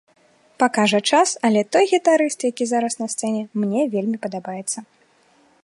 Пакажа час, але той гітарыст, які зараз на сцэне, мне вельмі падабаецца.